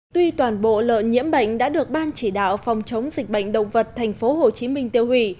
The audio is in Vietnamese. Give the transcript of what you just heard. tuy toàn bộ lợn nhiễm bệnh đã được ban chỉ đạo phòng chống dịch bệnh động vật tp hcm tiêu hủy